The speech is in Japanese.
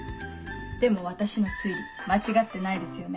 でも私の推理間違ってないですよね？